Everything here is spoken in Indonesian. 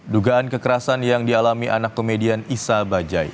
dugaan kekerasan yang dialami anak komedian isa bajaj